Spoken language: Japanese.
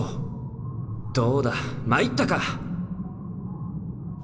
どうだ参ったか！